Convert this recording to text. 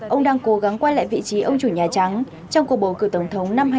ông đang cố gắng quay lại vị trí ông chủ nhà trắng trong cuộc bầu cử tổng thống năm hai nghìn một mươi sáu